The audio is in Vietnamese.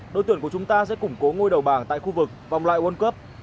đội tuyển của chúng ta sẽ củng cố ngôi đầu bảng tại khu vực vòng loại world cup